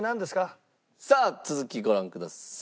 さあ続きご覧ください。